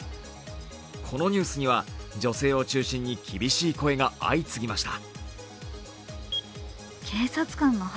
このニュースには女性を中心に厳しい声が相次ぎました。